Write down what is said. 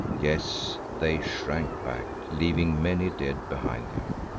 Yes, they shrank back, leaving many dead behind them.